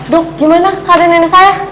dok gimana keadaan nenek saya